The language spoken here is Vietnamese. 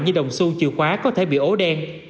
như đồng xu chìu khóa có thể bị ố đen